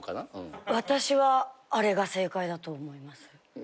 私はあれが正解だと思います。